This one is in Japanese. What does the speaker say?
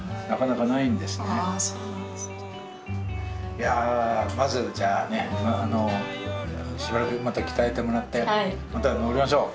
いやまずじゃあねしばらくまた鍛えてもらってまた登りましょう。